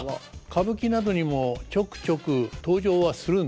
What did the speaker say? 歌舞伎などにもちょくちょく登場はするんです。